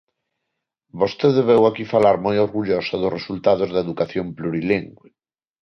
Vostede veu aquí falar moi orgullosa dos resultados da educación plurilingüe.